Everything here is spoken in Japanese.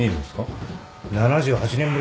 ７８年ぶりだぞ。